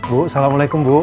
bu salam alaikum bu